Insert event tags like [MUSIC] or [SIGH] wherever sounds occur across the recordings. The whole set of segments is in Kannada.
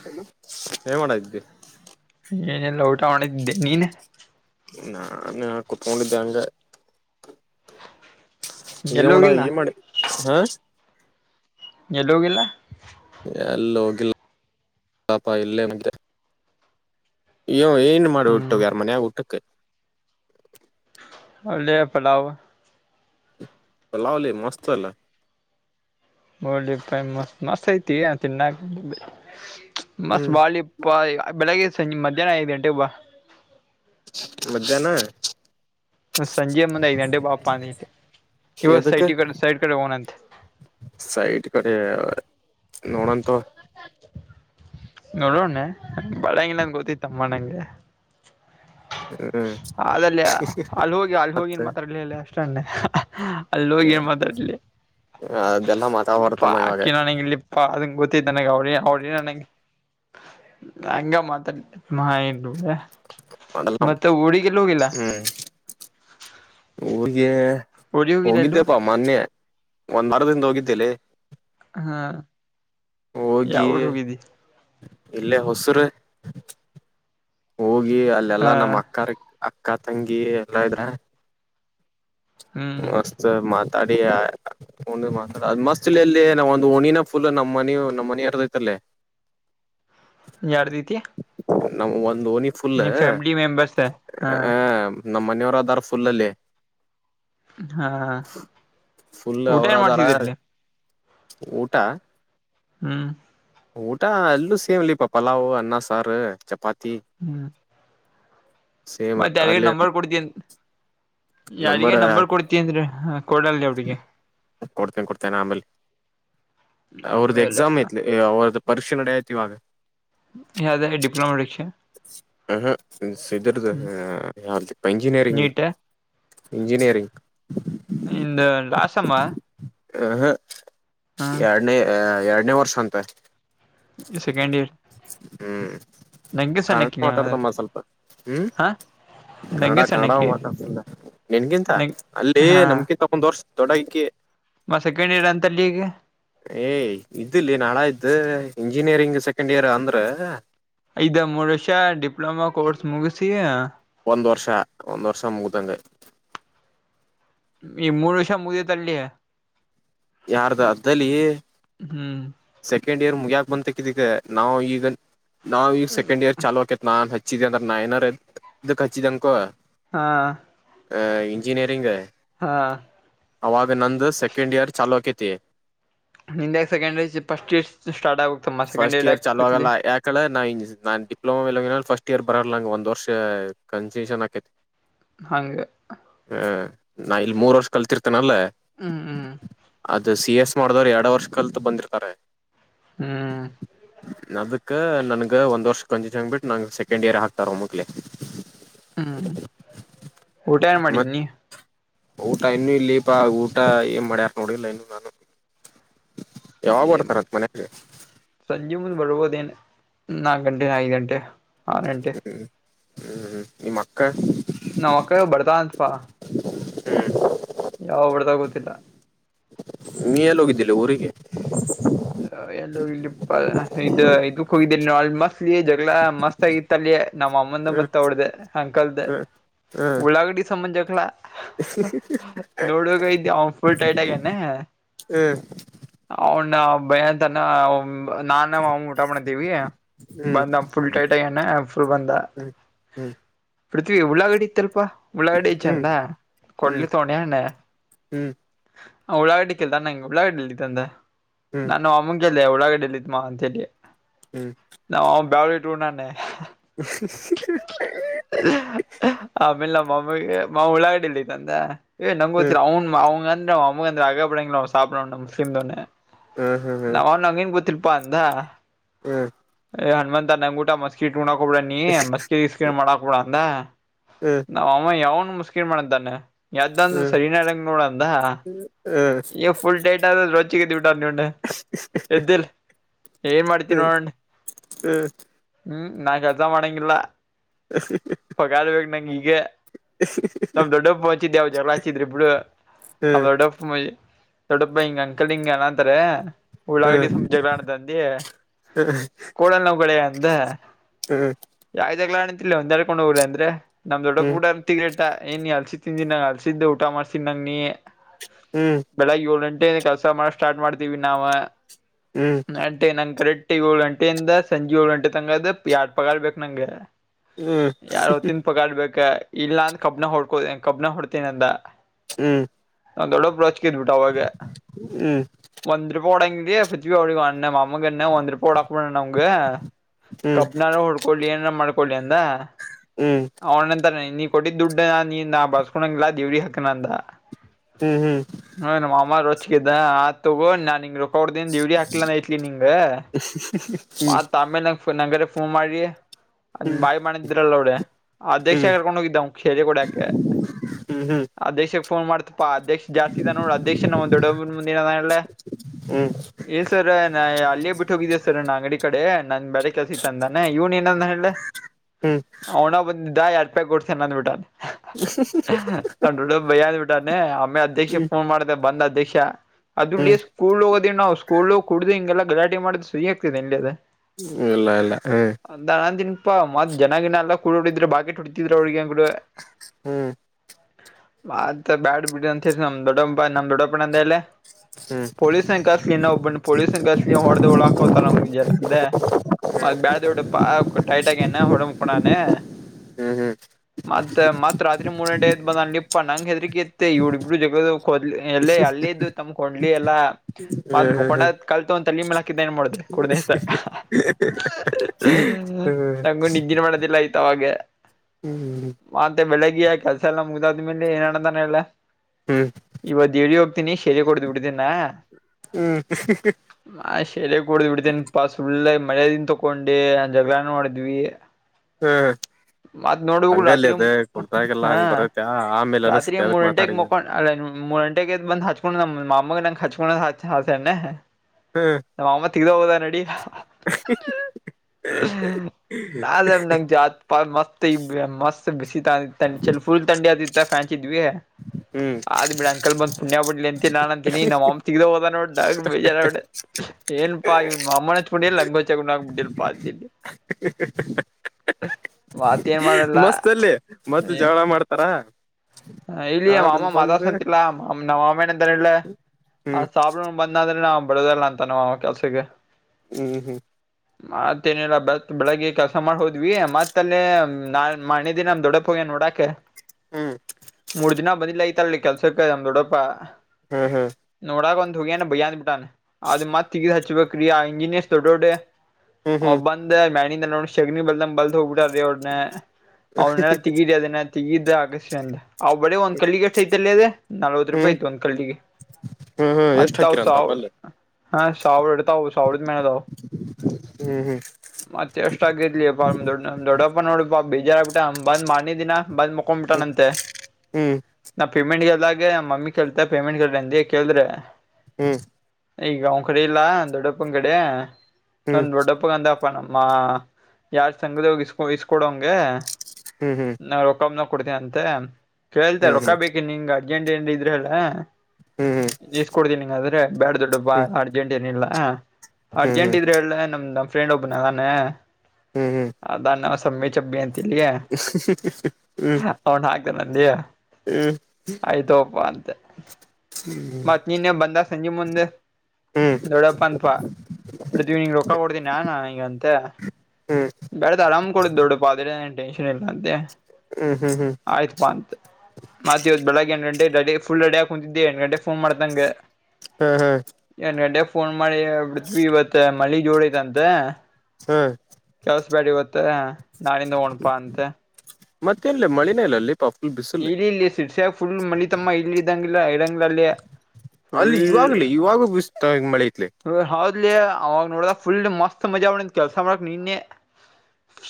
ಹಲೋ ಏನ್ ಮಾಡಕ ಹತ್ತಿ ಈಏನ ಇಲ್ಲ ಊಟ ಮಾಡಿನಿ ನೀನು ನಾನನ್ ಕುತ್ಕೊಂಡ್ದಂಗ ನೀ ಮಾಡ ಎಲ್ಲೋಗಿಲ್ಲ ಈ ಮಾಡಿ ಹಾ ಎಲ್ಲ ಹೋಗಿಲ್ಲಾ ಅಲ್ಲ ಹೋಗಿಲ್ಲ ಪಾಪ ಇಲ್ಲೇ ಮುದೆ ಯೋ ಏನ್ ಮಾಡಿ ಇಟ್ ಹ್ಮ್ ಹೋಗ್ಯಾರ್ ಮನ್ಯಾಗ ಊಟ್ಟಕ್ ಒಳ್ಳೆ ಪಲಾವ ಪಲಾವ್ ಲೆ ಮಸ್ತ್ ಅಲ್ಲ ಬೋಂಡಿ ಫ್ರೈ ಮಸ್ತ್ ಮಸ್ತ್ ಐತಿ ತಿನ್ನಕ ಮಸ್ ಹ್ಮ್ ಬಾಳಿಪ್ಪ ಬೆಳಗ್ಗೆ ಸಂಜೆ ಮಧ್ಯಾಹ್ನ ಐದು ಗಂಟೆಗೆ ಬಾ ಮಧ್ಯಾಹ್ನ ಸಂಜೆ ಮುಂದೆ ಐದಂಟೆ ಪಾಪ ಅೈತೆ ಇವಾಗ ಸೈಟ ಎದಕ್ಕೆ ಕಡೆ ಸೈಡ್ ಕಡೆ ಹೋಗಣಂತೆ. ಸೈಟ್ ಕಡೆ ನೋಡಂತ ನೋಡೋಣ್ಣೆ ಬಾಳಂಗಿಲ್ಲಂದ ಗೊತ್ತತ್ತಮ್ಮ ನಂಗೆ. ಹ್ಮ್ ಅಲ್ಲಿ ಅಲ್ಲಿ ಹೋಗಿ ಅಲ್ಲಿ ಹೋಗಿನ್ ಮತ್ತೆ ಮಾತಾಡ್ಲಿ ಅಲ್ಲ ಅಷ್ಟೊನ್ನೆ ಅಲ್ಲಿ ಹೋಗಿನ್ ಮಾತಾಡ್ಲಿಾ ಅದೆಲ್ಲಾ ಮಾತಾಡ್ಬಾರತಮ್ಮ ಇವಾಗ ಆಕಿ ನನಂಗ ಇಲ್ಲಿಪ್ಪಾ ಅದನ್ ಗೊತ್ತ ನನಗೆ ಅವ್ರಿ ಅವ. ನಂಗ ಮಾತಾ. ಮಾಡಲ್ಲ ಮತ್ತೆ. ಡಿಗೆಲೋಗಲ್ಲ. ಹ್ಮ್ ಊರಿಗೆ. ಊರಿಗೆ ಹೋಗಿಲ್ಲ ಎಲ್ಲೂ ಹೋಗಿದ್ದಪ್ಪಾ ಮಾನ್ಯ. ಒಂದ್ ಮಾರದಿಂದ ಹೋಗಿದ್ದೇಲ್ಲಿ. ಹಾ. ಹೋಗಿ. ಯಾವ ಊರ್ ಹೋಗಿದ್ದಿ ಇಲ್ಲೇ ಹೊಸರು. ಹ. ಹ ಹಾ ಅಲ್ಲೆಲ್ಲಾ ನಮ್ಮ್ ಅಕ್ಕರ. ಅಕ್ಕ ತಂಗಿ ಎಲ್ಲ ಇದ್ರ. ಹ್ಮ್ ಮಸ್ತ ಮ. ಅಡ ಮಾತಾ ಅ್ ಮಸ್ತ್ ಇಲ್ಲಿ ಅಲ್ಲಿ ನಾವ ಒಂದು ಒಣಿನ ಫುಲ್ ನಮ್ಮ ಮನ ನಮ್ಮನ ಇರದೈತಲ್ಲ. ಯಾರ್ದೀತಿ. ನಮ್ಮ್ ಒಂದು. ಧೋನಿ ಫುಲ್ ಮೆಂಬರ್ಸ್ ಹಾ ಹ. ನಮ್ಮ ಮನೆಯವರುದಾರ ಫುಲ್ ಅಲ್ಲಿ. ಹಾ ಊಟ ಏನ್ ಮಾಡ್ಸಿದಿರ್ಲ್ಲಿ. ಊಟಾ. ಹ್ಮ್. ಊಟ ಎಲ್ಲೂ ಸೇಮ್ಲ್ಲಿಪ ಪಲಾವ್ ಅನ್ನ ಸಾರು ಚಪಾತಿ. ಹ್ಮ್. ಸೇಮ್ ಮತ್ತೆ ಅಳಗೆ ಅಲ್ಲೇ ನಂಬರ್ ಕೊಡ್ತೀ. ಯಾರಿಗೆ ನಂಬರ್ ಕೊಡ್ತೀ ಅಂದ್ರಿ ಕೊಡಲ್ ಅವ್ರಿಗೆ. ಕೊಡ್ತೇನೆ ಕೊಡ್ತೇನೆ ಆಮೇಲೆ ಅವ್ರದ್ದು ಆಮೇಲೆ ಎಕ್ಸಾಮ್ ಐತ್ ಅವ್ರದ. ಪರೀಕ್ಷೆ ನಡ ಆಯ್ತಿ ಇವಾಗ. ಯಾವ್ದ ಡಿಪ್ಲೊಮಾ ಪರೀಕ್ಷೆ ಹ ಹ ಸರ್ದು ಹ್ಮ್ ಯಪ್ಪ ಇಂಜಿನಿಯರಿಂಗ್. ನೀಟ ಇಂಜಿನಿಯರಿಂಗ್. ಮ್ಮ. ಹ ಹಾ. ಎಳ್ಳೆರಾ. ಎರಡನೇ ವರ್ಷ ಅಂತ. ಸೆಕೆಂಡ್ ಇಯರ್ [UNINTELLIGIBLE] ಹ್ಮ್ ನಂಗೆ ಕನ್ನಡ ಸಣ್ಣಕಿ ಮಾತಾಡ್ತಮ್ಮ ಸ್ವಲ್ಪ ಹ್ಮ್ ಹಾ ಕನ್ನಡ ನಂಗೆ ಕನ್ನಡ ಸಣ್ಣಕಿ ಮಾತಾಡ್ತಲ್ಲ ನಿನ್ಗಿಂತ ನಂಗ್ ಅಲ್ಲಿ ಹಾ ನಮ್ಗಿಂತ ಒಂದ್ ವರ್ಷ. ತೋಡಾಯ್ಕ. ಮ ಸೆಕೆಂಡ್ ಇಯರ್ ಅಂತಲ್ಲಿ ಈಗ. ಏಯ ಇದ್ದಿಲ್ಲಿ ನಾಳ ಇದ್ದ ಇಂಜಿನಿಯರಿಂಗ್ ಸೆಕೆಂಡ್ ಇಯರ್ ಅಂದ್ರ. ಇದ ಮೂರು ವರ್ಷ ಡಿಪ್ಲೊಮಾ ಕೋರ್ಸ್ ಮುಗಿಸಿ. ಒಂದು ವರ್ಷ ಒಂದು ವರ್ಷ ಮು ತಂದೆ [UNINTELLIGIBLE] ಈ ಮೂರು ವರ್ಷ ಮುಗಿತಲ್ಲಿ. ಯಾರ್ದು ಅದ್ದಲಿ. ಹ್ಮ್. ಸೆಕೆಂಡ್ ಇಯರ್ ಮುಗ್ಯಾಕ ಬಂತಕ್ಕಿದಗ ನಾವವು ಈಗ. ನಾವವು ಈ ಸೆಕೆಂಡ್ಯರ್ ಚಲು ಆಕೇತ್ ನಾನ್. ಹಚ್ಚಿದ ಅಂದ್ರ ನಾ ನಾರ ಇದಕ್ ಹಚ್ಚಿದನ್ಕೋ. ಹಾ. ಇಂಜಿನಿಯರಿಂಗ್. ಹಾ ಅವಾಗ ನಂದು ಸೆಕೆಂಡ್ ಇಯರ್ ಚಾಲೋಕಿತ್ತು. ತ್ತೆ. ನಿಂದ ಯಾಕ್ ಸೆಕೆಂಡ್ ಪಫಸ್ಟ್. ಫಸ್ಟ್ ಇಯರ್ ಚಲುವ ಆಗಲ್ಲ ಯಾಕಳ ನ ನಾನ್ ಡಿಪ್ಲೊಮಾ. ಇ ಫಸ್ಟ್ ಇಯರ್ ಬರಲಂಗ ಒಂದ್ ವರ್ಷ ಕನ್ಸೇಷನ್ ಆಕೈತಿ. ಹಂಗ. ನಾ ಇಲ್ಲಿ ಮೂರ್ ವರ್ಷ ಕಲ್ತಿರ್ತಿ. ಅಲ್ಲ ಹ್ಮ್ ಹ್ಮ್ ಅದು- ಸಿ ಎಸ್ ಮಾಡಿದವರು ಎರಡು ವರ್ಷ ಕಲ್ತ್ ಬಂದಿರ್ತಾರೆ. ಹ್ಮ್. ನನ್ಗೆ ಒಂದ್ ವರ್ಷ ಕಂಜಿ ಹಂಗ್ ಬಿಟ್ಟು ನಂಗ್ ಸೆಕೆಂಡ್ ಇಯರ್ ಹಾಕ್ತಾರ ಮಕ್ಳಿಗೆ. ಹ್ಮ್ ಊಟ ಏನ್ ಮತ್ ಮಾಡಿದೀನಿ. ಊಟ ಇನ್ನುೂ ಇಲ್ಲಿಪಾ ಊಟ ಏನ್ ಮಾಡ್ಯಕ್ ನೋಡಿಿಲ್ಲ ಇನ್ನು ನಾನು. ಯಾವಾಗ ಬರ್ತಾರ ಮನಗೆ. ಸಂಜೆ ಮುಂದೆ ಬರ್ಬೋದೇನು ನಾಕ್ ಗಂಟೆ ಐದು ಗಂಟೆ. ಆರ್ಗಂಟೆ. ಹ್ಮ್ ಹ್ಮ್. ನ ಮಕ್ಕಳೋ ಬರ್ತಾ ಅಪ್ಪಾ. ಹ್ಮ್. ಯಾವ ಬಡ್ದ ಗೊತ್ತಿಲ್ಲ. ಮ ಎಲ್ಲೋಗಿದ್ದಿಲ್ಲ ಊರಿಗೆ. ಎಲ್ಲೋಇಲ್ಲಿಪ್ಪ ಇದ ಇದಕ್ ಹೋಗಿದ್ದೇ ಅ ಮಸ್ತ್ಲಿ ಜಗಳ ಮಸ್ತ್ ಆಗಿತ್ತ ಅಲ್ಲಿ ನಮ್ಮ ಅಮ್ಮನ ಹ್ಮ್ ಮತ್ತ ಅವ್ಳದ್ ಅಂಕಲ್ದ ಹ್ಮ್ ಉಳ್ಳಾಗಡಿ ಸಂಬಂದ್ ಜಗಳ. ನೋಡಕ ಆಗೀತ್ನಿ ಅವ ಫುಲ್ ಟೈಟ್ ಅಗ್ಯಾನ್ ಅವ್ಳ್ನ ಅವ್ ಬಯಂತಾನ್ ಅವ್ ನಾನ ಅವು ಊಟ ಮಾಡಾತೀವಿ ಹ್ಮ್ ಬಂದ ಫುಲ್ಲ್ ಟೈಟ್ ಆಗ್ಯಾನ್ ಫುಲ್ ಬಂದ. ಹ್ಮ್ ಪೃಥ್ವಿ ಉಳ್ಳಾಗಡ್ಡಿ ಇತ್ತಲ್ಪಾ. ಉಳ್ಳಾಗಡ್ಡಿ ಹ್ಮ್ ಚೆಂಡ್ [UNINTELLIGIBLE] ಹ್ಮು ಉಳ್ಳಾಗಡ್ಡಿ [UNINTELLIGIBLE] ಉಳ್ಳಾಗಡ್ಡಿ ಎಲ್ಲಿ ತಂದ್. ಹ್ಮ್ ಹ್ಮ್ ಹ್ಮ್ ಹ್ಮ್ ಹ್ಮ್ ಹ್ಮ್ ಹ್ಮ್ ಹ್ಮ್ ಹ್ಮ್ ಹ್ಮ್ ನಾನು ಅಮ ಇಲ್ಲಲೇ ಉಳ್ಳಾಗಡ್ಡಿ ಎಲ್ಲಿದ್ ಮಾವಂತೇಲಿ. ನಾವ್ [UNINTELLIGIBLE] ರೂ ನಾನೇ. ಆಮೇಲೆ [UNINTELLIGIBLE] ನಮ್ಮ ಮಮ್ಮಿಗೆ ಮಾವ್ ಉಳ್ಳಾಗಡ್ಡಿ ಎಲ್ಲಿ ತಂದ್. ಏ ನಂಗೋತ್ತಿಲ್ಲ ಅವ್ನ್ ಅವ್ನ್ ಮ್ಯಾಲ್ ಅಮ್ಮಗ್ [UNINTELLIGIBLE] ಹ್ಮ್ ಹ್ಮ್ ಹ್ಮ್ ನಾವ್ ಅವ್ನ್ ನಮಗೇನ್ ಗೊತ್ತಿಲ್ಲ. ಪದ್ದ್ ಅ ಎ ಹನುಮಂತ ಅಣ್ಣ ನಂಗ್ ಊಟ ಮಸ್ಸಿ. ಉಣ್ಣಾಕ್ ಹೋಗುನು ಅನ್ನಿ ಮಸ್ಕಿ ಇಸ್ಕಿ ಏನ್ ಮಾಡಾಕ್ ಹೋಗಬ್ಯಾಡ ಅಂದಾ. ನಮ್ಮ ಅಮ್ಮ ಯಾವನ್ ಮುಶಕಿಲ್ ಮಾಡಿದ್ದಾನೆ. ಯಾವ್ದ ಅಂದ್ರ ಸರಿನ ಇರಾಂಗಿಲ್ಲ ನೋಡಂದ ಹಾ. ಈಗ್ ಫುಲ್ ಡೇಟ್ [UNINTELLIGIBLE] [UNINTELLIGIBLE] [UNINTELLIGIBLE] ಎದ್ದ ನಿಲ್ಲ್ ಏನ್ ಮಾಡ್ತಿ [UNINTELLIGIBLE] ಹ್ಮು. ನಾಕ ಅಜಾ ಮಾಡಾಂಗಿಲ್ಲ. [UNINTELLIGIBLE] ನಂಗ್ ಈಗ್ [UNINTELLIGIBLE] [UNINTELLIGIBLE] ದೊಡ್ಡಪ್ಪಾ ಹಿಂಗ್ ಅಂಕಲ್ ಹಿಂಗ ಅನಾತರ್. ಉಳ್ಳಾಗಡಿ ಸಂಬಂಧ ಜಗಳಾಡತಿ ಅಂದಿ [UNINTELLIGIBLE] ಅಂದ್ ಯಾಕ ಜಗಳಾ ಆಡ್ ಇಲ್ಲ ಒಂದ್ಯಾಡ್ಕೊಂಡ ಹೋಗ್ರ ಅಂದ್ರ ನಮ್ ಹ್ಮ್ ಹ್ಮ್ ದೊಡ್ಡಪ್ಪಗೂಡ ಅಂತ ತಿಗಿಟ ಏನ್ ನೀ ಅಲ್ಸ ತಿಂದನ್ ಅಲಸಿದ್ದ ಊಟ ಮಾಡ್ಸಿ ನಂಗ ನೀ. ಹ್ಮ್ ಬೆಳಗ್ ಯೋಳ ಎಂಟ್ ಕೆಲ್ಸ ಮಾಡ ಸ್ಟಾರ್ಟ್ ಮಾಡ್ತೀವಿ ನಾವ ಹ್ಮ್ ನಟೇ ನಂಕರೆ ಎ ಏಳು ಗಂಟೆಯಿಂದ ಸಂಜೆ ಏಳು ಗಂಟೆ ತಂಗದ ಯಾಡ್ ಪಗಾರ್ ಬೇಕ್ ನಂಗ ಹ್ಮ್ ಯಾಡ್ ಹೊತ್ತಿನ ಪಗಾರ್ ಬೇಕ್. ಇಲ್ಲ ಅಂದ ಕಬ್ಬನ್ಯಾಗ ಹೊಡ್ಕೊ ಕಬ್ಬನ್ಯಾಗ ಹೊಡಿತೀನಿ ಅಂದ. ಹೂ ದೊಡ್ಡಪ್ಪ ರೊಚ್ಛ ಈದ್ದ ಬಿಟ್ಟ ಅವಾಗ ಒಂದ ರೂಪಾಯಿ ಕೊಡಂಗೀಲ್ಲ [UNINTELLIGIBLE] ನಮ್ಮ ಮಾಮಗ ಅನ್ಯ ಒಂದ ರೂಪಾಯಿ ಕೊಡಾಕ್ ಹೋಗ್ಬ್ಯಾಡ್ ಅನ್ನ ಅವ್ನ್ಗ. ಗ ಹ್ಮ್ ಹ್ಮ್ ಕಬ್ನಾನಗ ಹೊಡ್ಕೊಳ್ಳಿ ಏನರ್ ಮಾಡ್ಕೊಳ್ಳಿ [UNINTELLIGIBLE] ದ ಅವ ಏನೆಂತಾನ ನೀನ್ ಕೊಟ್ಟಿದ್ದು ದುಡ್ಡ್ ನೀ ನಾ ಬಳಸಿಕೊನಗಿಲ್ಲ, ದೇವರಿಗಿ ಹಾಕ್ಕಿನಂದ. ಹ್ಮ್ ಹ್ಮ್ ಹ್ಮ್ ಹ್ಮ್ ಹ್ಮ್ ಹ್ಮ್ ಹ ನಮ್ಮ ಮಾಮರ ರೊಚ್ಚಿ ಕಿದ್ದ ಆ ತೊಗೊ ನಾ ನಿಂಗ್ ರೊ ಕೊಡ್ತೀನಿ ದೇವರಿಗ ಹಾಕ್ಲಿಲ್ಲ್ ಅಂದ್ರ ಐತ್ಲೆ ನಿಂಗ, ಮತ್ ಆಮ್ಮೇಲ ನನ್ಗರೆ ಫೋನ್ ಮಾಡಿ ಅ ಬಾಯಿ ಮಾಡಿದ್ರಲ್ಲ ನೋಡೆ ಅಧ್ಯಕ್ಷ ಹ್ಮ್ ಕರ್ಕೊಂಡ್ ಹೋಗಿದ್ದ ಕೆ ರಿಗಿ ಒಡೆಕ್ಕ. ಅಧ್ಯಕ್ಷ ಫೋನ್ ಮಾಡ್ತು ಎಪ್ಪಾ ಅಧ್ಯಕ್ಷ ಜಾಸ್ತಿ ಜನ ನೋಡಿ ಅಧ್ಯಕ್ಷ ನೆ ನಮ್ಮ ದೊಡ್ಡಪ್ಪನ ಮುಂದೆಳನಲ್ಲ, ಹ್ಮ್ ಇಲ್ಲ ಸರ್ ನಾ ಅಲ್ಲೇ ಬಿಟ್ಟ ಹೋಗಿದೇ ಸರ್ ನಾ ಅಂಗಡಿ ಇಕಡೆ ನಾನ್ ಬೇರ್ಯಾ ಕೆಲಸ ಇತ್ತ ಅಂದಾನ್ ಇವನ್ ಏನ ಅಂದಾನ್ ಹೇಳ್ಲೆ ಹ್ಮ್ ಹ್ಮ್ ಅವ್ನ ಬಂದಿದಾ ಕೊಡ್ಸ್ಯಾನ್ ಅಂದ ಬಿಟ್ಟಾನ್. ಅವ್ನ ನೋಡಿದರ ಭಯಾ ಆ [UNINTELLIGIBLE] ಒಮ್ಮೆ ಅಧ್ಯಕ್ಷ ಹ್ಮ್ ಫೋನ್ ಮಾಡಿದ ಬಂದ ಅಧ್ಯಕ್ಷಾ ಅದುಲ್ಲೇ ಸ್ಕೂಲ್ ಓದಿ ನಾವು ಸ್ಕೂಲ್ ಕುಡಿದು ಹಿಂಗೆಲ್ಲ ಗಲಾಟಿ ಮಾಡಿದರ ಸರಿ ಆಕ್ತದ ಎನ್ಲೆ ಅದ. ಇಲ್ಲ ಇಲ್ಲ ಹೇ ಪ್ಪಾ ಮತ್ ಜನಾಗಿನ ಎಲ್ಲ ಕೊಡುದಿದ್ದರು ಪಾಕಿಟ್ ಹೊಡತಿದ್ರ ಅವರಿಗೆ ಅಂದುಬಿಡುವೆ ಹು ಬಾ ಮತ್ ಬ್ಯಾಡ್ ಬುಡು ಅಂತ ಹೇಳಿ ನಮ ದೊಡಪ್ಪಾ ದೊಡಪ್ಪನಂತೆ ಹೇಳೆಲೆ ಹ್ಮ್ ಪೊಲೀಸನ್ ಕರೆಸಿ ಇನ್ನೊಬ್ಬನ ಪೊಲೀಸನ್ ಕರೆಸಿ ಹೊಡೆದು ಒಳಕಾದ್ ಮುಂಜಾನೆಂದ ಮತ ಬ್ಯಾಡ ದೊಡಪ್ಪ ಟೈಟ್ ಆಗೆನ ಹೊರಗಮಕೊಂಡನ ಹ್ಮ್ ಹ್ಮ್ ಮತ್ತ ಮತ್ ರಾತ್ರಿ ಮೂರ ಗಂಟೆಕ್ಕ ಹ ಎದ್ದಬಂದನ್ಲೆಪ್ಪ ನಂಗೆ ಹೆದ್ರಿಕೆ ಮತ್ ಇವರಿಬ್ಬರ ಜಗಳ ಕೊಡ್ಲೆ ಅಲೆ ಅಲ್ಲಿದ್ದು ತಂದಕೊಂಡ ಅಲ್ಲಿ ಎಲ್ಲಾ ಮತ್ ಹ್ಮ್ ಹ್ಮ್ ಹ್ಮ್ ಮಕ್ಕೊಂಡಾಗ ಕಲ್ಲುತಕೊಂಡು ತಲ್ಲಿ ಮೇಲೆ ಹಾಕಿದ್ರೆ ಏನ್ ಮಾಡೋದು [INAUDIBLE] ಹ್ಮ್ ಹ್ಮ್ ತಕೊಂಡಿ ದಿನ ಮಾಡದಿಲ್ಲ ಐತೆ ಅವಾಗೆ ಮತ್ತೆ ಬೆಳಿಗ್ಗೆಯ ಕೆಸ ಎಲ್ಲ ಮುಗ್ದಾದ್ಮೇಲೆ ಏನ್ಮಾದ್ದು ನೆಲ್ಲೇ ಇವತ್ತು [INAUDIBLE] ನೀ ಹೊಡೆದು ಆ ಸಲಕೊತ ಬಿಡ್ತೇನೆ ಪ್ಪ ಸುಳ್ಳ ಮಳೆ ದನ್ ತಕೊಂಡಿ ಜಗಳನ್ನು ಆಡಿದ್ವಿ ಹ್ಮ್ ಮತ್ ನೋಡ್ಬೇಕ ರಾತ್ರಿ ಕುಡ್ದಾಗೆಲ್ಲ ಹ ಹಂಗ್ ಬರತ್ತ ಆಮೇಲೆ ರಾತ್ರಿ ಅನಸುತ್ತೆ ಅದಕ್ ಮೂರ್ ಗಂಟೆಗೆ ಮಾತಾಡಿದ ಮಕೊಂಡ್ ಅ ಮೂರ್ಂಟೆಗ ಎದ್ದು ಬಂದ್ ಹಚ್ಕೊಂಡ್ ನ ಮಾ ನಮಗೆ ನಂಗೆ ಹಚ್ಚಿಕೊಂಡು ಹೌದೇನೇ ಹ್ಮ್ ತಿಗ್ದೆ ಹೋದ ನೆಡಿ ಜತ್ ಮತ್ ಈ ಮತ್ ಬಿಸಿತ ಫುಲ್ ತಂಡಿ ಆದಿ ಫ್ಯಾನ್ ಹ್ಮ್ ಆದ್ ಬಿಡಿ ಅಂಕಲ್ ಬಂದ್ ಪುಣ್ಯ ಬಿಡ್ಲಿ ಅಂತಿ ನಾನನ್ ಅಂತಿನಿ ನಮ್ಮ್ಮ್ಮ ತಗ್ದ ಹೋದ ನೋಡ್ನ ಬೇಜಾರ ಆಗ್ಬಿಟ್ಟಿದೆ ಏನ್ ಪ್ಪ ಅಮ್ಮನ ಮುಡಲ್ಲ ಲಂಗವ ಚೆಕ ಇಲ್ಲಪ್ಪ ಅಂತಿದೆ [UNINTELLIGIBLE] ಮಾತ್ ಏನ್ ಮಾಡಲ್ಲ ಮಸ್ತ ಅಲ್ಲಿ ಮತ್ತ ಜಳ ಮಾಡ್ತಾರ ಇಲ್ಲಿಯ ಆಮೇಲೆ ಮಾಮ ಬಂದು ಮಾತಾಡ್ತಿಸ್ತಿಲ್ಲ ನಮ್ಮ ಅಮ್ಮ ಏನಂತಾರೆಲೇ ಹ ಹ್ಮ್ ಸಾಬ್ರುಆವ ಬಂದ ಅಂದ್ರೆ ನಮ್ಮ ಅಮ್ಮ ಬಿಡೋದಿಲ್ಲ ಅಂತಾನೆ ಅವ್ನ್ ಕ್ಲಾಸಿಗೆ ಹೂ ಹೂ ಮತ್ತೇನಿಲ್ಲ ಬತ್ ಬೆಳಗ್ಗೆ ಕೆಲಸ ಮಾಡ್ ಹೋದ್ವಿ ಮತ್ತ ಅಲ್ಲೇ ನಾ ಮಣ್ಣಿ ದಿನ ದೊಡ್ಡಪ್ ಗೆ ನೋಡಕೆ ಹ್ಮ್ ಮೂರ ದಿನ ಬಂದಿಲಾಯ ಲ್ಲಿ ಕೆಲ್ಸಕ್ಕೆ ನಮ್ ದೊಡ್ಡಪ್ಪ ಹ್ಮ್ ಹ್ಮ್ ನೋಡಾಗ ಒಂದ ಹೋಗನ ಬ್ಯಾನ್ ನಿಂತನ್ ಅದ್ ಮತ್ತ ತಗಿದ್ ಹಚ್ಚಬೇಕು ಪ್ರ್ರಿಯಾ ಇಂಜಿನಿಯರ್ಸ [UNINTELLIGIBLE] ಹ್ಮ್ ಹ್ಮ್ [UNINTELLIGIBLE] ನಿಂದು ನೋಡಿ ಶಗನಿ ಬಲ್ ಬಲ್ದ ಹೋಗ್ಬಿಟಿ [UNINTELLIGIBLE] [UNINTELLIGIBLE] ಚಂದ ಅವ ಬಳಿ ಒಂದ್ ಕಳ್ಳಿಗೆ ಎಷ್ಟ ಐತಲೆ ಆದ ನಲ್ವತ್ ಹ್ಮ್ ರೂಪಾಯಿ ಐತ್ ಒಂದ್ ಕಲ್ಲಿಿಗೆ ಹ್ಮ್ ಹ್ಮ್ ಎಷ್ಟ್ ಅಂತ ಹಾಕಿರಂತ ಸಾವಿರ ಕಲ್ಲು ಹ ಸಾವಿರ ಇಡ್ತಾವ ಸಾವಿರದ ಮ್ಯಾಲ ಅದಾವ ಹ್ಮ್ ಹ್ಮ್ ಮತ್ತೆಷ್ಟ ಆಗರ್ಲಿ ದೊಡ್ ದೊಡ್ಡಪ್ಪ ನೋಡಾ ಬೇಜಾರ ಆಗಿ ಬಿಟ್ಟಟ ಅ ಬಂದ ಮಾರಾನೆ ದಿನಾ ಬಂದ್ ಹ್ಮ್ ಮಕ್ಕೊಂಡ್ಬಿಟ್ಟನಂತ ಹ್ಮ್ [UNINTELLIGIBLE] [UNINTELLIGIBLE] ಹ್ಮ್ ಈಗ ಅವ್ನ ಕಡೆ ಇಲ್ಲ ದೊಡ್ಡಪ್ಪನ ಕಡೆ ಹ್ಮ್ ನಾನು ದೊಡ್ಡಪ್ಪ ಪಾ ಅಂದ ಪ್ಪ ನಮ್ಮ ಯಾರ್ ಸಂಗದ ಇಸ್ಕ ಇಸ್ಕೊಡಗೆ ಹ್ಮ್ ನಾಲಕಂ [UNINTELLIGIBLE] ಥೇ ಕೇಳ್ತ ಹ್ಮ್ ರೊಕ್ಕಾ ಹ್ಮ್ ಹ್ಮ್ ಬೇಕಿ ನಿಂಗ ಅರ್ಜೆಂಟೀನ್ ಇದ್ರ ಅಲ್ಲ ಹ್ಮ್ ಹ್ಮ್ ನೀಸ್ ಕೊೊಡ್ತೀನಿಂಗ ಅ ಆದ್ರೆ ಬ್ಯಾಡ ದೊಡ್ಡಪಾ ಅರ್ಜೆಂಟ್ ಏನಿಲ್ಲ ಹಾ ಅರ್ಜೆಂಟ್ ಹ್ಮ್ ಹ್ಮ್ ಹ್ಮ್ ಹ್ಮ್ ಹ್ಮ್ ಇದ್ರೆ ಎಲ್ಲ ನಮ್ದ ಫ್ರೆಂಡ್ ಒಬ್ಬ ನಾದಾನೆ [UNINTELLIGIBLE] [UNINTELLIGIBLE] [UNINTELLIGIBLE] ಹ್ಮ್. ಆಯತಪ್ಪ ಅಂತ. [UNINTELLIGIBLE] ಮತ್ ನಿನ್ನೆ ಬಂದ ಸಂಜಿ ಮುಂದ. ಹ್ಮ್ ದೊಡ್ಡಪ್ಪ ಅಂತಪಾ ಬಿಡ್ತವಿಂಗ ರೊಕ್ಕ ಕೊಡ್ತಿ ನಾನ್ ನನಗ ಅಂತ ಹ್ಮ್ ಬ್ಯಾಡ್ದ ಆರಾಮ್ ಕೊಡ ದೊಡ್ಡಪ್ಪಾ ಅ ಟೆನ್ಶನ್ ಇಲ್ಲ ಅಂದೇ. ಹ್ಮ. ಆಯ್ತ್ಪಾ ಅಂತತ್ ಮತ್ತ ಇವತ್ತು ಬೆಳಗ್ಗೆ ನ [UNINTELLIGIBLE] ಹ್ಮ್, ಹ್ಮ್ ಮಳಿ ಆಗಿಬಿಡ್ತು ಇವತ್ತೆ. ಮಳ್ಳಿ ಜೋರ್ ಐತೆ ಅಂತೆ. ಹ್ಮ್. ದಸ ಬ್ಯಾಡ ಇವತ್ತ. ನಾಳಿಂದ ಉಣಪಾ ಅಂತ ಮತ್ತೆನ್ಲೆ ಮಳಿನೆ ಇಲ್ಲಲ್ಲಿ. ಇಲ್ಲಿ ಇಲ್ಲಿ ಸಿಡ್ಸೆ ಫುಲ್ ಮಳಿತಮ್ಮ ಇಲ್ಲಿ. ಇದಂಗಿಲ್ಲಂಗ ಅಲ್ಲಿ ಇವಾಗ್, ಇವಾಗ, ಬಿ ತಗ ಮಳಿ ಐತ್ಲಿ ಹ್ಮ ಹೌ ಅವಾಗ ನೋಡ ಫುಲ್ ಮಸ್ತ್ ಮಜಾ ಮಾಡ ಕೆಲಸ ಮಾಡಕ್ ನಿನ್ನೆ.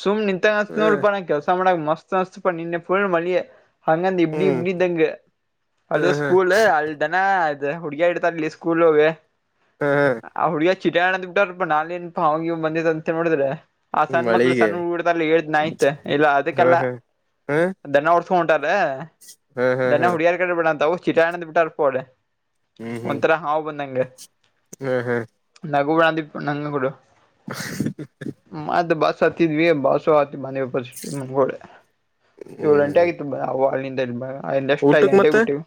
ಸುಮ್ಮ್ ನಿಂತಂ ಹ್ಮ್ ನೋಡ್ಡಿಪಾ ಕೆಲಸ ಮಾಡಕ್ ಮಸ್ತ್. ಮಸ್ತ್ ಮಸ್ತ್ ಪ ನಿನ್ನೆ ಫುಲ್ ಮಳಿ. ಹಂಗ ಅಂತ ಇಬ್ ಹ್ಮ್ ಇಡಿದಂಗ ಅಳದ ಹ್ಮ್ ಹ್ಮ್ ಸ್ಕೂಲ್ ಅಲ್ದಾನ ಅದೇ ಹುಡುಗೀರ ಇಡ್ತಾರಲಿ ಸ್ಕೂಲ್ ಒಳಗ. ಹಾ ಹಾ ಆ ಹುಡಿಯ ಚಿಟ ಹಣ್ಣ್ ಬಿಟ್ಟಾರ್ರಪ್ಪಾ ನಾ ಏನ್ಪಾ ಹಾವ ಬಂದಿದ ಅಂತ ಹೇಳ ಮಾಡಿದ್ರೆ. ಆ ಸಣ್ಣ ಮಕ್ಳು ಮಳಿಗೆ ಸಣ್ಣ ಹಊಡದಲ್ಲಿ ಎಟತ್ ನೈನ್ತ್ ಇಲ್ಲ ಹಾ ಅದಕ್ಕೆಲ್ಲ ಹಾ ಹಾ ದನರ್ [UNINTELLIGIBLE] ಹಾ ಹಾ ದನ್ನ ಹಾ ಹುಡುಗ್ಯಾರ್ ಕಡೆ ಬೇಡ ಅಂತ. ಚಿಟಾನಂದ ಬಿಟಾರ್ ಪೆ ಒಳೆ ಒಂಥರ ಹಾವ ಬಂದಂಗ. ಹ್ಮ್ ಹ್ಮ್ ನಗು ಬಡ ಅ ನಂಗ ಕೊಡು ಮದ ಬಸ್ ಸತ್ಯೀವಿ ಬಸು ಮನೆವಿ [INAUDIBLE] ಏಳು ಗಂಟೆ ಹ್ಮ್ ಆಗಿತ್ತುವು ಹಿಂದ [UNINTELLIGIBLE] ಅದಂದ ಎಷ್ಟ ಐದು ಊಟಕ್ ಗಂಟೆೇಗ್ಬ ಮತ್ತೆ ಬಿಟ್ಟೇವು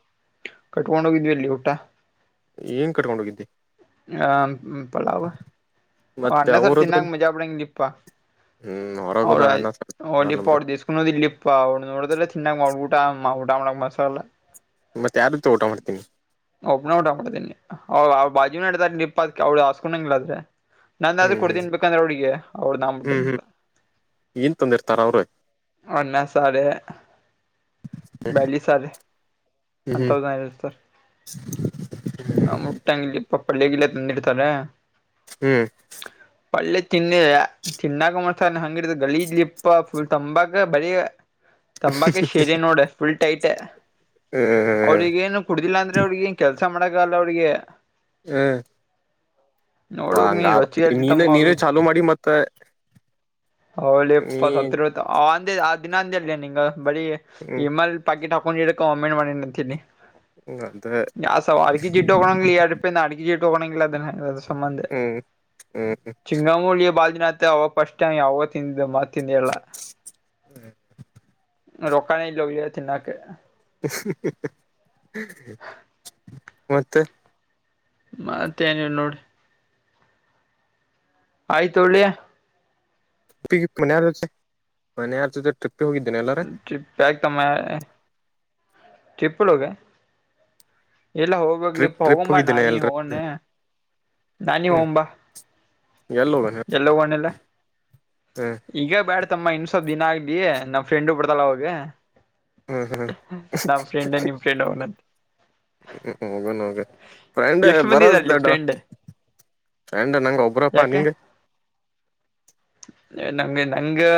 ಕಟ್ಕೊಂಡ ಹೋಗಿದ್ವಿ ಅಲ್ಲಿ ಊಟ ಏನ್ ಕಟ್ಕೊಂಡು ಹೋಗಿದ್ದೀ ಹ ಪಾಲವ ಮತ್ತೆ ಅನ್ನ ಸರ್ ಅವರದ್ರ ತಿನ್ನಂಗ ಮಜಾ ಬಿಡ ಪ್ಪ ಹ್ಮ್ ಅವ್ರ ಹೊರಗೋದಾಗ ಅನ್ನ ಸಾರ್ ಆಗಲ್ಲ ಬಿಡು ಈಸ್ಕೊಂಡು ಕೊಂಡದ್ ಇಲ್ಲಿಪ್ಪ ಅವ್ರು ನೋಡ್ದಲ್ಲ ಚೆನ್ನಾಗಿ ಮಾಡ್ಬಿಟ್ಟು ಊಟಮ್ಮ ಊಟ ಮಾಡಣ ಮಸಾಲೆ ಮತ್ತೆ ಯಾರ ಜೊತೆ ಊಟ ಮಾಡ್ತೀನಿ ಒಬ್ಬನೇ ಊಟ ಮಾಡಿದೀನಿ ಅನ್ಡತಾರೆ ನಿಪ್ಪ ಅ ಅವಳ ಹಸ್ಕೊಂಡಂಗಿಲ್ಲ್ರೆ ನಂದಾದ್ರೂ ಹ್ಮ್ ಹ್ಮ್ ಕೊಡ್ದನ್ ಬಂದ್ರೆ ಅವಳಿಗೆ ಅವ್ಳದು ನಾನು ಹ್ಮ್ ಹ್ಮ್ ಮುಟ್ಟಗಿಲ್ಲ ಏನ್ ತಂದಿರ್ತಾರ ಅವ್ರು ಅನ್ನ ಸಾರೆ ಹ್ಮ್ ಬ್ಯಾಲ ಸಾರ ಹ್ಮ್ ಅಂತದೇ ಇರುತ್ತೆ ಮುಟ್ಟಗಿಲ್ಲ ಪಲ್ಯಗಿಲ್ಲ ತಂದಿರ್ತಾರ ಹ್ಮ್ ಪಳ್ಳಿ ತಿನ್ನಿದೆ ತಿನ್ನಾಗ ಮಾಡ್ತಾರ ಹಂಗ ಗಲೀಜ್ ಯಪ್ಪಾ ತಂಬಕ ಬರೀ ತಂಬಾಕೆ ಸೇರಿ ನೋಡ ಫುಲ್ ಟೈಟ್ ಹ್ಮ್ ಅವ್ರಿಗ ಏನು ಕುಡುದಿಲ್ಲ ಅಂದ್ರೆ ಅವ್ರಿಗೆ ಏನ್ ಕೆಳ್ ಚೆನ್ನಾಗಿ ಮಾಡೋಕೆ ಆಗಲ್ಲ ಅವ್ಳಿಗೆ ಹಾ ಪಾ ನೋಡ್ಬೇಕ್ ಹಂಗ ನೀ ರೊಚ್ಚಿ ಹೇಳ್ತಿತ್ತಮ್ಮ ನೀನೆ ಅವ್ರ ನೀರ ಚಾಲುೂ ಮಾಡಿ ಮತ್ತೆ ಹೌಳಿಪ್ಪ ಸತ್ ಆ ಆ ದಿನಾಂದಲ್ಲ ನಿಗ ಬರಿ ಹ್ಮ್ ಇಮಲ್ ಪಾಕಿಟ್ ವೊಮಿಟ್ ಮಾಡಿ ನಿಂತೀನಿ ಅದ [INAUDIBLE] ಅಡಿಗಿ ತಗೊಂಡ್ ಹಿಂಗ್ಲದ್ದೇನೆ. ದು ಸಂಬಂಧ ಹ್ಮ್ ಹ್ಮ್ ಚಿಂಗಾಮೂಳಿಯ ಬಾಲ್ ಅವಾಗ ಫಸ್ಟ್ ಟೈಮ್ ಯಾವಾಗೋ ತಿಂತಿದ್ದು ಮ ತಿಂದಿಲ್ಲ. ರೋಕನೆ ಇಲ್ಲೋ ಇವ್ಯ ತಿನ್ನಕೆ. ಹ್ಮ್ ಹ್ಮ್ ಹ್ಮ್ ಮತ್ತ ಮತ್ತೇ ನೀವು ನೋಡಿ ಆಯ್ತು ಒಳ್ಳಿ ಪ್ಪಿ ಪ್ ಮನಿಯವರ ಜೊತೆ ಟ್ರಿ ಟ್ರಿಪ್ ಯಾಕ್ ತಮ್ಮ ಟ್ರಿಪ್ ಒಳಗ ಎಲ್ಲ ಟ್ರಿಪ್ ಹೋಗ್ಬೇಕ್ಲೇಪ್ಪ ಟ್ರಿಪ್ ಹೋಗಂಬಾ ಹೋಗಿದ್ದೇನೆ ನಾನಿ ಎಲ್ರ ಹೋಗಣ ನಾನಿ ಹ್ಮ್ ಹೋಗಂಬಾ. ಎಲ್ಲಿ ಹೋಗೋಣ ಎಲ್ಲೋ ಒಣಲ್ಲೆ ಹ್ಮ್ ಈಗೆ ಬ್ಯಾಡ್ ತಮ್ಮ ಇನ್ ಸ್ವಪ್ ದಿನ ಆಗ್ಲಿ ನಾವ್ ಫ್ರೆಂಡು ಬರ್ತಾಳ್ ಅವಾಗ ಹ್ಮ್ ನಮ್ಮ ಫ್ರೆಂಡ್ ನಿಮ್ ಫ್ರೆಂಡ್ ಅವನ ಹ್ಮ್ ಹೋಗನ್ ನೋಗ್ ಫ್ರೆಂಡ್ ಎಷ್ಟು ಮಂದಿ ಬರಸ ಇದಾರ್ಲಿ ದಡ್ಡ ಫ್ರೆಂಡ್ ಫ್ರೆಂಡ್ ನಂಗ ಒಬ್ರಪ್ಪಾ ಯಾಕ ನಿಂಗ್ ನಂಗೆ ನಂಗಾ